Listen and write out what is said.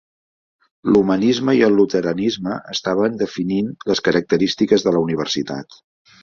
L'humanisme i el luteranisme estaven definint les característiques de la universitat.